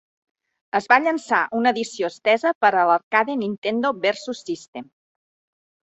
Es va llançar una edició estesa per a l'arcade Nintendo Versus System.